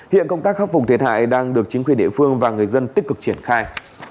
hiện công tác khắc phục thiệt hại đang được chính quyền địa phương và người dân tích cực triển khai